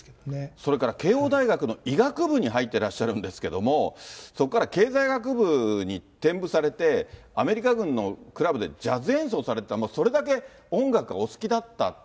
それから慶應大学の医学部に入ってらっしゃるんですけども、そこから経済学部に転部されて、アメリカ軍のクラブでジャズ演奏されてた、それだけ音楽がお好きだった。